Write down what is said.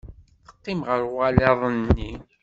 Teqqim ɣef uɣalad-nni.